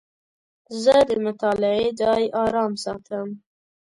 زه د مطالعې ځای آرام ساتم.